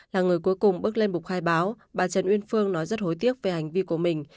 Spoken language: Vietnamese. là người cuối cùng bước lên bục khai báo bà trần uyên phương nói rất hối tiếc về hành vi của mình